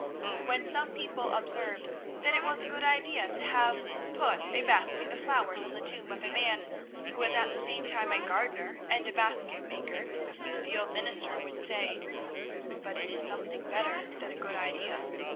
When some people observed that it was a good idea to have put a basket of flowers on the tomb of a man who was at the same time a gardener and a basket maker, the old minister would say "But it is something better than a good idea.